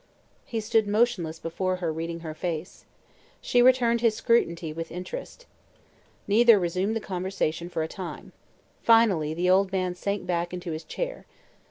He stood motionless before her, reading her face. She returned his scrutiny with interest. Neither resumed the conversation for a time. Finally the old man sank back into his chair.